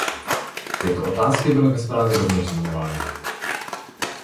Tyto otázky byly ve zprávě rovněž zmiňovány.